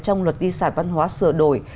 trong luật di sản văn hóa sửa đổi